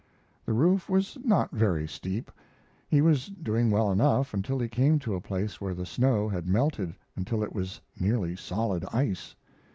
The roof was not very steep. He was doing well enough until he came to a place where the snow had melted until it was nearly solid ice.